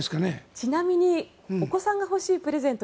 ちなみにお子さんが欲しいプレゼント